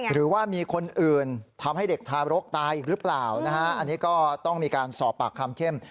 หรือว่ามีคนอื่นทำให้เด็กทารกตายอีกหรือเปล่านะฮะอันนี้ก็ต้องมีการสอบปากคำเข้ม